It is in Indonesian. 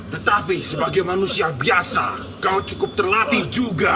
tetapi sebagai manusia biasa kau cukup terlatih juga